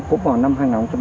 cũng vào năm hai nghìn một